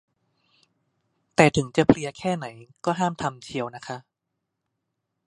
แต่ถึงจะเพลียแค่ไหนก็ห้ามทำเชียวนะคะ